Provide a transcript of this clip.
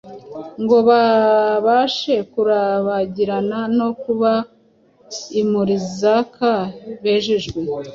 ngo babashe kurabagirana no kuba imuri zaka, bejejwe,